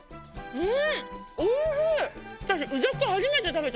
うん。